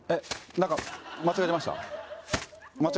何か間違えてました？